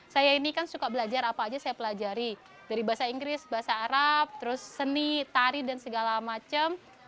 saya ini kan suka belajar apa aja saya pelajari dari bahasa inggris bahasa arab terus seni tari dan segala macam